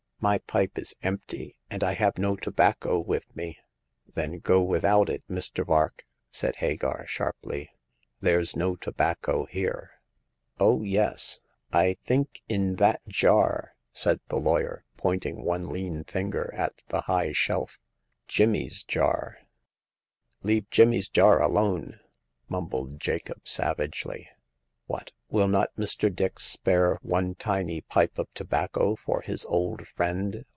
" My pipe is empty, and I have no tobacco with me." " Then go without it, Mr. Vark !'* said Hagar, sharply. "There's no tobacco here.*' " Oh, yes ; I think in that jar,*' said the lawyer, pointing one lean finger at the high shelf— Jim * my's jar. " The Coming of Hagar. 29 Leave Jimmy's jar aloHe !*' mumbled Jacob, savagely. What ! will not Mr. Dix spare one tiny pipe of tobacco for his old friend